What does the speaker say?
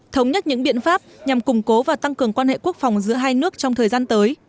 thống nhất những biện pháp nhằm củng cố và tăng cường quan hệ quốc phòng giữa hai nước trong thời gian tới